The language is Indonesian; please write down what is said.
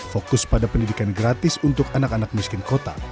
fokus pada pendidikan gratis untuk anak anak miskin kota